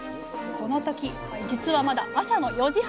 この時じつはまだ朝の４時半。